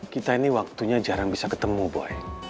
kita ini waktunya jarang bisa ketemu boy